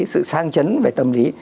sự sang chấn về tâm lý